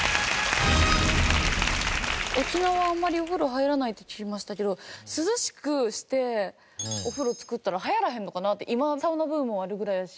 沖縄はあんまりお風呂入らないって聞きましたけど涼しくしてお風呂作ったら流行らへんのかなって今サウナブームあるぐらいやし。